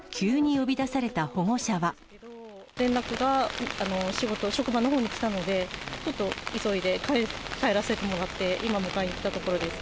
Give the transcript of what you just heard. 連絡が、仕事、職場のほうに来たので、ちょっと、急いで帰らせてもらって、今、迎えに来たところです。